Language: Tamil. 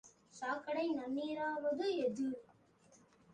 சாக்கடை நன்னீராவது ஏது!